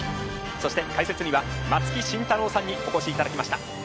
そして解説には松木慎太郎さんにお越しいただきました。